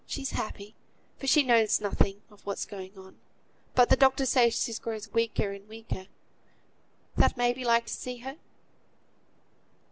She's happy, for she knows nought of what's going on; but th' doctor says she grows weaker and weaker. Thou'lt may be like to see her?"